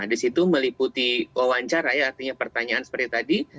di situ meliputi wawancara ya artinya pertanyaan seperti tadi